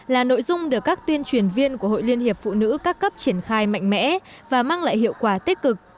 là nội dung được các tuyên truyền viên của hội liên hiệp phụ nữ các cấp triển khai mạnh mẽ và mang lại hiệu quả tích cực